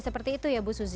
seperti itu ya bu suzy